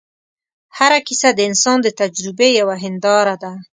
هره کیسه د انسان د تجربې یوه هنداره ده.